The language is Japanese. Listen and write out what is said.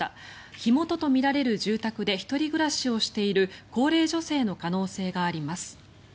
火元とみられる住宅で１人暮らしをしている高齢女性の可能性があります。